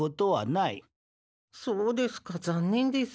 そうですかざんねんです。